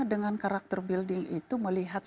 dengan karakter building itu melihat